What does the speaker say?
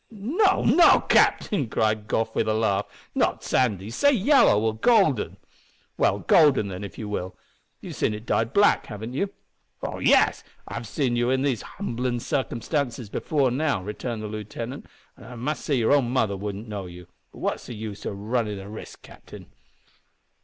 "No, no, captain!" cried Goff, with a laugh, "not sandy; say yellow, or golden." "Well, golden, then, if you will. You've seen it dyed black, haven't you?" "Oh yes! I've seen you in these humblin' circumstances before now," returned the lieutenant, "and I must say your own mother wouldn't know you. But what's the use o' runnin' the risk, captain?"